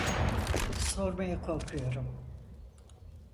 Sormaya korkuyorum.